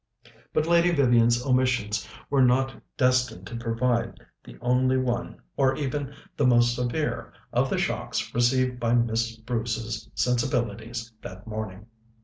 But Lady Vivian's omissions were not destined to provide the only one, or even the most severe, of the shocks received by Miss Bruce's sensibilities that morning.